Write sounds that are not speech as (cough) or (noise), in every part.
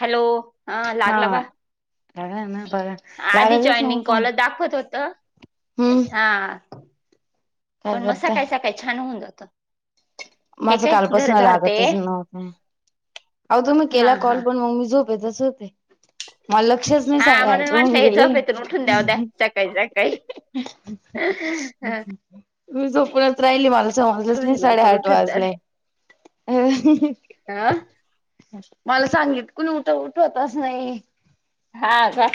Hello हा लागला बा बघा ना बघा. आधी लागतच जॉईनिंग नव्हता कॉल दाखवत होत. हम्म हा काय पण म करताय सकाळ सकाळी छान होऊन जातं. हे माझं काय घर कालपासनं झाडते लागतच नव्हतं अहो तुम्ही हा केला कॉल हा पण मगमी झोप तिथंच होते. मला लक्षच नाही हा म्हणून साडेआठ म्हटलं होऊन हे गेले. झोपेतून उठून द्याव द्या सकाळी सकाळी मी झोपूनच राहिली मला समजलंच नाही म्हणजे लवकर साडेआठ उठत जा वाजले हम्म हा (inaudible) मला सांगितल कोणी उठव उठवतच नाही. हा का?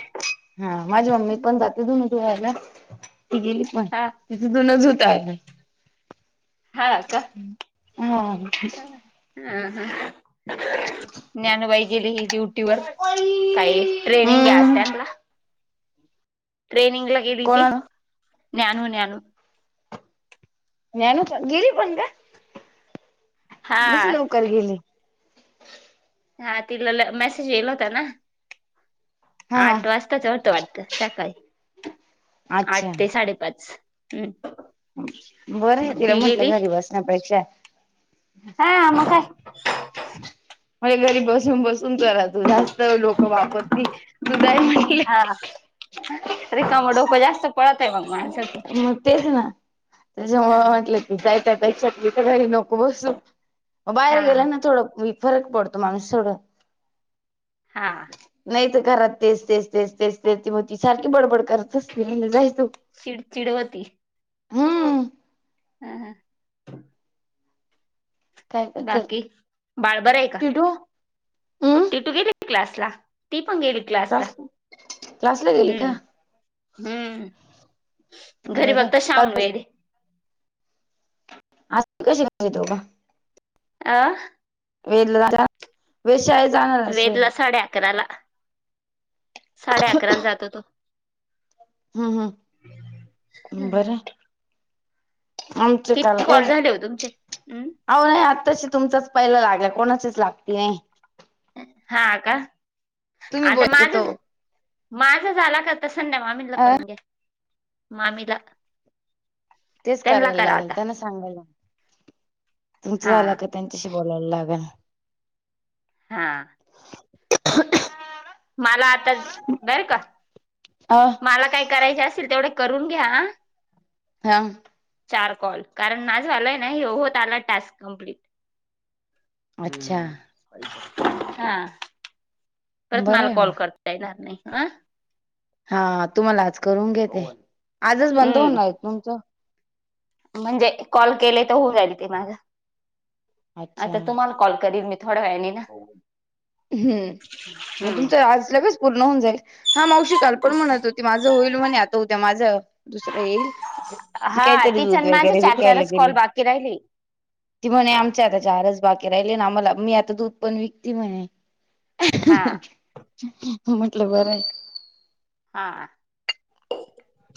हा माझी मम्मी पण जाते धुन धुवायला ती गेली पण. हा तिथूनच होत आहे. हा का. (unintelligible) ज्ञानूबाई गेली की काही ट्रेनिंग आहे आज हम्म तेन्हला ट्रेनिंग ला गेली ते कोणाला न्यानु न्यानु. ज्ञानू का गेली पण ग. हा मीच लवकर गेली. हा तिला मेसेज येईला होता ना? हा हा आठ वाजताच होत वाटत सकाळी. आठ अच्छा ते साडेपाच हम्‌. बरं आहे तिला म्हटलं घरी बसण्यापेक्षा हा म काय म्हाजे घरी बसून बसून जरा तु जा तर लोकं वापरती तू जाय म्हटले. रिकम डोकं जास्त पळत आहे मग माणसाचं म तेच ना हा त्याच्यामुळं म्हटले. जाय त्यापेक्षा इथ घरी नको बसू मग बाहेर हा गेलं ना थोडं फरक पडतो माणूस सो हा. नाही तर करात तेच तेच तेच तेच तेच ते मग ती सारखी बडबड करत असतील जायचं. चिड चिड व्हती. हम्म. हा हा. काय काय कर बाकी बाळ बरं आहे का? टिटू हम्म ती तू गेली क्लासला ती पण गेली क्लासला क्लास क्लासला गेली का हम्म. हम्म घरी बरं बघतं शाम काल वेरी. (unintelligible) आं वेदला जा वेद शाळेत जाणार असेल? साडेअकराला. साडे अकराला जातो तो. हम्म हम्म बरं. आमचे काल किती काय कॉल झाले हो तुमचे अं? अहो नाही आत्ताशी तुमचाच पहिला लागला. कोणाचेच लागत नाही. हा का? तुम्ही आता बोलते माझ तो माझं झाला का संध्या मावश म्हणलं अ करून घ्या मामीला. तेच त्यांना करायला करा लागेल आता त्यांना सांगायला तुमच हा झाला का? त्यांच्याशी बोलाव लागेल. हा. (inaudible) मला आता बर का, अ मला काय करायचे असेल तेवढे करून घ्या. हा. चार कॉल, कारण माझं झालंय ना हे होत आलाय टास्क कम्प्लीट. अच्छा. पैसाच पाहिजे. हा परत मला कॉल करता येणार नाही आ. हा तुम्हाला आज करून घेते आजच बंद हम्म होणार आहे तुमचं. म्हणजे कॉल केले तर होऊ जाईल ते माझं. अच्छा आता तुम्हाल कॉल करीन मी थोड्या वेळाने. ना हम्म, मग हम्म तुमचं आज लगेच पूर्ण होऊन जाईल. हा मावशी काल पण म्हणत होती माझं होईल म्हणे आता उद्या माझं दुसरं येईल. ती हा कायतरी तिचे दूध आणि माझे वगैरे चार विकायला चारच कॉल गेली. बाकी राहिले ती म्हणे आमच्या आता चारच बाकी राहिले, आणि मला मी आता दुधपण विकती म्हणे. हा म्हटलं बरं आहे. हा.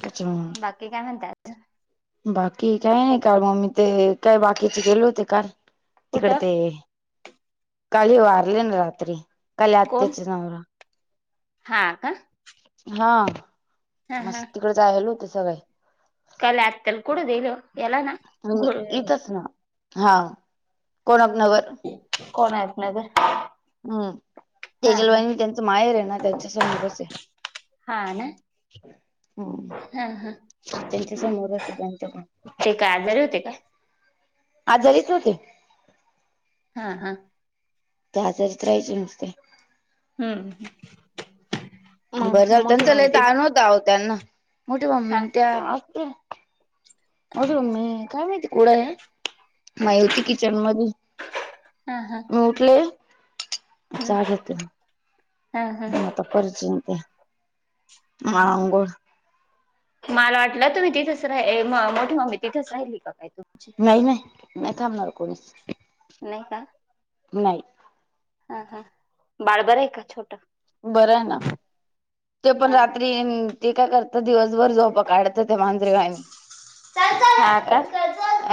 त्याच्यामुळं. बाकी काय म्हणताय? बाकी काय नाही काल मग मी ते काय बाकीचे गेले होते काल तिकडं कुठं ते काल हे वारले ना रात्री. काले कोण आत्याचा नवरा. हा का? हा. हा हा मस्त तिकडं जायला होते सगळे. (unintelligible) इथंच ना हा कोणाक वर कोणार्क नगर हम्म हा तेजल हा वहिनी त्यांचं माहेर आहे ना त्यांच्या समोरच आहे. हा ना? हो हा हा त्यांच्या समोरच आहे त्यांच्या पण. ते काय आजारी होते काय? आजारीच होते. हा हा. दहा तर करायचे नुसते. हम्म. मग बरं झालं. मोठी त्यांच मम्मी लय ती ताळ न्हवता अहो त्यांना. मोठी मम्मी हा आणि त्या असते. माझी मम्मी काय माहिती कुठं हाय. माहिती किचनमधी हा हा. उठले, चहा घेतला. हा हा. आता परत (unintelligible) मग अंघोळ मला वाटलं तुम्ही तिथेच राहि- ए म-मोठी मम्मी तिथेच राहिली का काय तुमची. नाही नाही. नाही थांबणार कोणीच. नाही का? नाही हा हा. बाळ बरं आहे का छोटं? बरं आहे ना. ते पण रात्री ते काय करतात दिवसभर झोपा काढतं त्या मांजरेवायाने हा का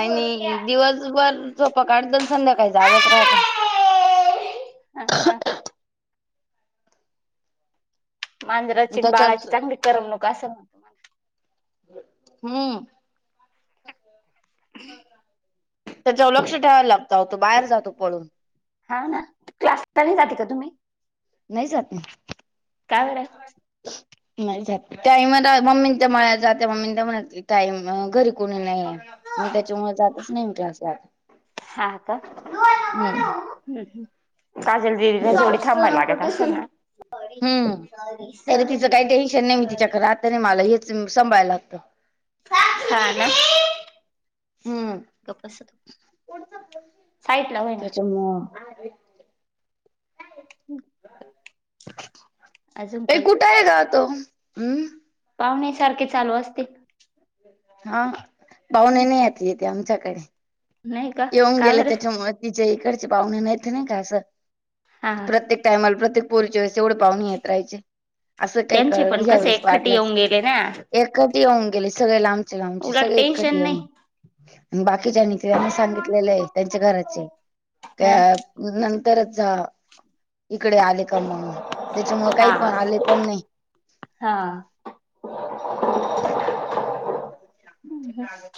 आणि दिवसभर झोपा काढतस संध्याकाळी हा जागच राहतं. हा मांजराचीन बाळाची त्याच्याच चांगली करमणूक असं. म्हणतो हम्म. त्याच्यावर लक्ष ठेवायला लागत अहो, तो बाहेर जातो पळून. हा ना. क्लास (unintelligible) जाती का तुम्ही? नाही जात नाही. का बरं नाही जात ताई मला मम्मीच्या मळ्यात जाते मम्मीच्या (unintelligible) टईम घरी कुणी नाही म त्याच्यामुळे जातच नाही मी क्लासला. हा का हम्म. काजल दिदीला जोडी थांबन वाटत असेल ना. हम् सॉरी तरी तिचं सॉरी काही टेन्शन नाही मी सॉरी. तिच्याकडे आता नाही मला हेच सांभाळायला लागतं. हा ना. हम्म. साईड ला होईना. तुमो (inaudible) (inaudible) अजून ए काही कुठे आहे ग तो हम् पाहुणे सारखे चालू असते. हा पाहुणे नाही आहेत येते आमच्याकडे. नाही का येऊन का गेले बरं त्याच्यामुळे. तिच्या इकडचे पाहुणे नाहीेत नाही का असं हा प्रत्येक टायमाला प्रत्येक पोरीच्या वेळेस एवढं पाहुणे येत राहायचे असं काय त्यांचे कळलं पण ह्या कसे वेळेस एकखटी वाटलस येऊन गेले ना एकटी येऊन गेले सगळे लांबचे लांबचे उलट सगळे एकटी टेन्शन येऊन नाही. बाकीच्यांनी त्यांनीच सांगितलेलं आहे त्यांच्या घराचे हा कया नंतरच जा. इकडे आले का म त्याच्यामुळ काही हा पण आले पण नाही. हा.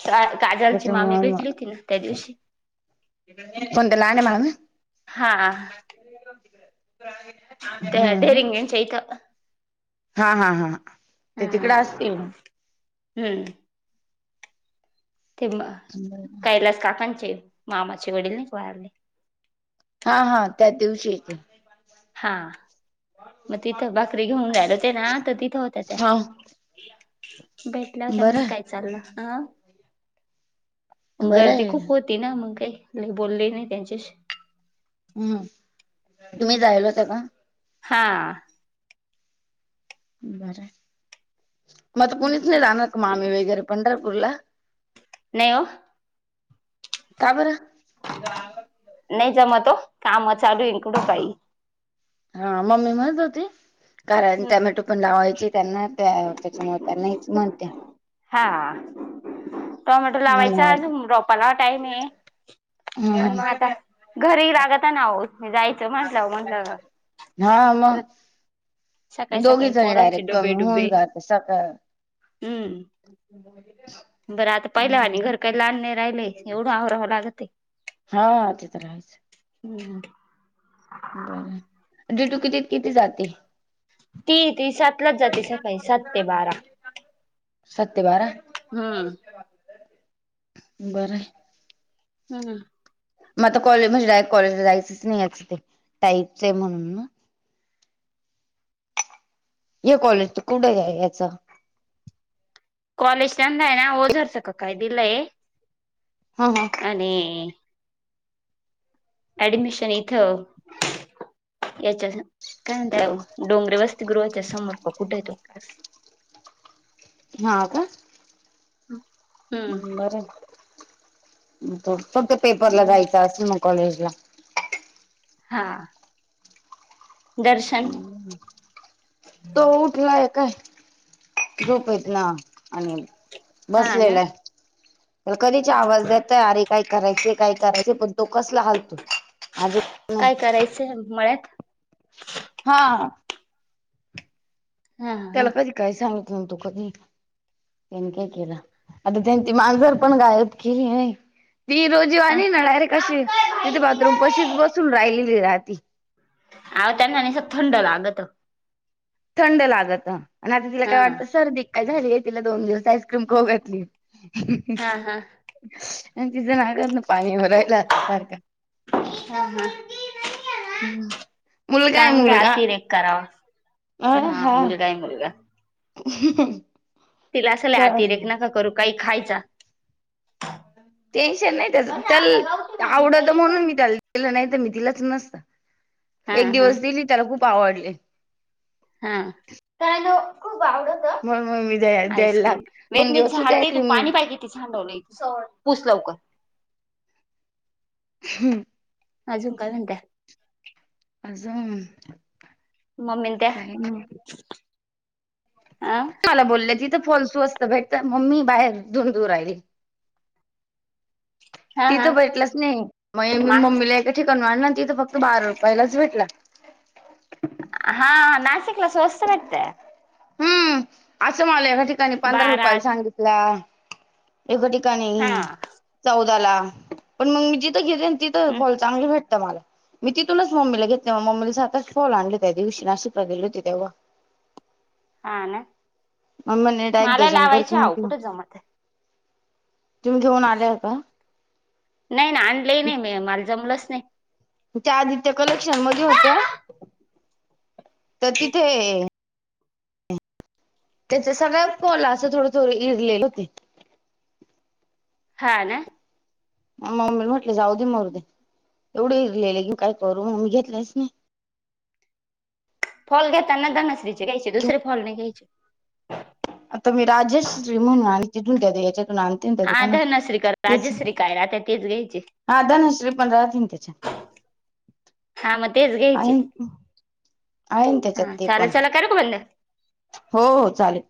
तर काजलची मामी भेटली त्याच्यामुळे होती ना त्या दिवशी. कोणते लहाने मामा. हा. (inaudible) त्या हम्म डेरियांग्यांच्या इथं हा हा हा ते हम्म तिकडें असतील म. हम्म. ते म मग कैलास काकांचे मामाचे वडील नाही का वारले. हा हा त्याच दिवशी येतील. हा म तिथं भाकरी घेऊन जायत होते ना तर तिथं होतं त्या. हा भेटल्या होता म्हणे बरं काय चाललं अ म बरं गर्दी आहे खूप होती ना मंग काही नाही बोलले नाही त्यांच्याशी. हम्म तुम्ही जायल होता का. हां. बरं आहे म आता कुणीच नाही जाणार का मामी वगैरे पंढरपूरला? नाही ओ. का बरं? नाही जमत ओ काम चालू आहेत आणि कुठे जाईल. हा मम्मी म्हणत होती कराय आन टॅमॅटो पण लावायचे. त्यांना त्या त्याच्यामुळे त्यांना इथून आणत्या हा टोमॅटो लावायचा म्हणा आणि रोपाला टाइम आहे. पण मग आता घरी रागत नाहो जायचं म्हटलं म्हंलं हा मग सकाळी सकाळी दोघीचणी पोरांचे डायरेक्ट कमी होऊन जातं सका उम्म. बरं आता पहिलं आणि घर काही लहान नाही राहिले एवढं आवरावं लागत आहे. हा ते तर आहेच. हम्म. बरं म्हणजे तु कितीत किती जाते. ती ती सातलाच जाते सकाळी सात ते बारा. सात ते बारा. हम्म. बरं आहे. हम्म हम्म. मग आता कॉलेज म्हणजे कॉलेज जायचंच नाही याचं ते टाईपच आहे म्हणून. ये कॉलेजत कुठे जायचा. कॉलेज टाइमला आहे ना ओझारसक काय दिलाय. हा हा. आणि ऍडमिशन इथं याच्या काय म्हणताय हो डोंगरे वस ते गृहाचा समर्क कुठे आहे तु? हा का? (inaudible) हम्म बरं फक्त पेपरला हम्म जायचं असेल मग कॉलेजला. हा. दर्शन तो उठलाय काय झोपेत ना आणि हा ना बसलेलं आहे त्याला कधीची हा. आवाज देतेय आरी. काय करायचे काय करायचे पण तो कसला हालतो. आजी नाही काय करायचं मळ्यात? हा. हा हा त्याला कधी काय सांगत नव्हतो कधी. त्यांनी काय केलं आता त्यांची मांजर पण गायत की न व्हय. ती रोजीव आ. आणि ना डायरेक्ट कशी तिथे बाथरूम पशीच बसून राहिली राहती. आव त्यांना निसतं थंड लागत. थंड लागतं आणि आता तिला हा काय हा वाटतं सर्दी काय झाली आहे तिला दोन दिवस आईस्क्रीम खोऊ घातली. (unintelligible) हा आणि तिचं नागात ना पाणी भरायला आता सारखं. हा हा. हम्म मुलगा आहे मुलगा. करावास हा मुलगा आहे मुलगा. (unintelligible) तिला असले खेळ आरती रेक नका करू काही खायचा. टेन्शन नाही त्याचा त्याल आपल्या गावठी भाजी आवडत काही म्हणून खाऊन मी त्याल दिलं नाही तर मी दिलाच नसतं हा एक हा दिवस दिली त्याला खूप आवडले. हा. खूप आवडतं म्हणून मग मी द्या द्यायला लाग आईस्क्रीम वेत दोन मी दिवस होते झाडते तू आईस्क्रीम पाणी मी पाही सांडवलं पुस लवकर. हम्म. अजून काय म्हणताय? असं मम्मीने का आं. मला बोललं तिथं फॉल्सू असतं भेट मम्मी बाहेर दुन दूर राहिली. हा ती तर हा भेटलाच नाही मग, मी मा मम्मीला एका ठिकाण आणलं ना तिथ फक्त बारा रुपयालाच भेटला. हा नाशिकला सोस्त भेटते. हम्म असं मला एका ठिकाणी पंधरा रुपयाला बारात सांगितलं. एका ठिकाणी हा हम्म चौदाला पण मग मी जिथं घेते तिथं फॉल चांगले भेट तमला मी तिथूनच मम्मीला घेतेले म मम्मीला सात आठ फॉल आणले त्या दिवशी नाशिकला गेले होते. तेव्हा हा ना, मम्मी म्हणे डायरेक्ट मला डझनभर लावायच घेऊन हव ठेव कुठे जमत तुम्ही घेऊन आलेय का? नाही ना आणलंही नाही मी मला जमलंच नाही. त्या आदित्य कलेक्शन मध्ये होत्या तर तिथे त्याच सगळ्या (unintelligible) असं थोडं थोड इरलेले होते. हा ना. म मम्मी म्हटले जाऊ दे मरू दे एवढे इरलेले घेऊन काय करू म मी घेतलेच नाही. फॉल घेताना धनश्रीचे घ्यायचे दुसरे फॉल नाही घ्यायचे. आता मी राजश्री म्हणून आणि तिथून द्या याच्यातून आण त्या हा दुकाना धनश्री का तेच राजश्री काय राहत्या तेच घ्यायचे. हा धनश्री पण राहतील त्याच्यात. (unintelligible) हा मग तेच घ्यायचे आहे ना त्याच्यात हा ते चाले पण चला करु का बंद? हो हो चालेल.